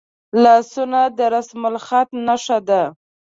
لاسونه د رسمالخط نښه ده